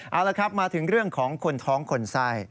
เอาละครับมาถึงเรื่องของคนท้องคนไส้